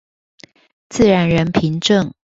自然人憑證